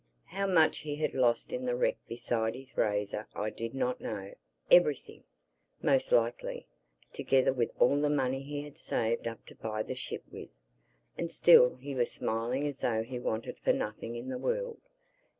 How much he had lost in the wreck besides his razor I did not know—everything, most likely, together with all the money he had saved up to buy the ship with. And still he was smiling as though he wanted for nothing in the world.